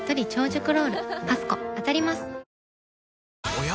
おや？